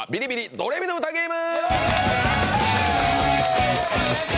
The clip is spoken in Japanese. ドレミの歌ゲーム」！